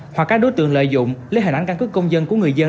hoặc các đối tượng lợi dụng lấy hình ảnh căn cứ công dân của người dân